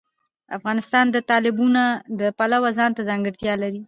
افغانستان د تالابونه د پلوه ځانته ځانګړتیا لري.